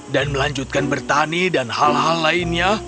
dan melanjutkan bertani dan hal hal lainnya